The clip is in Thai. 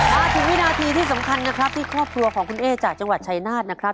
มาถึงวินาทีที่สำคัญนะครับที่ครอบครัวของคุณเอ๊จากจังหวัดชายนาฏนะครับ